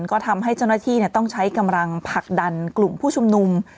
ก็ทำให้เจ้าหน้าที่ต้องใช้กำลังผลักดันกลุ่มผู้ชุมนุม